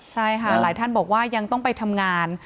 ใช่ค่ะหลายท่านบอกว่ายังต้องไปทำงาน